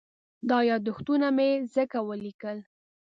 دا یادښتونه مې ځکه وليکل.